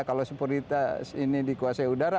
kalau sepuritas ini dikuasai udara